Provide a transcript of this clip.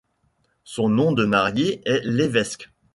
Son nom de mariée est Levésque.